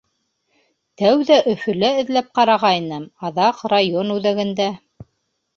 Тәүҙә Өфөлә эҙләп ҡарағайным, аҙаҡ — район үҙәгендә.